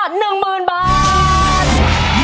๑หมื่นบาท